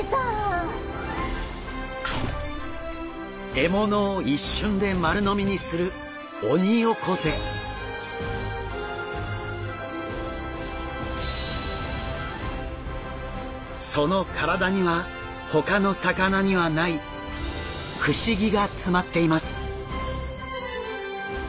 獲物を一瞬で丸飲みにするその体にはほかの魚にはない不思議が詰まっています。